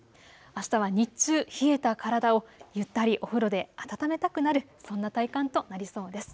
あしたは日中、冷えた体をゆったりお風呂で温めたくなるそんな体感となりそうです。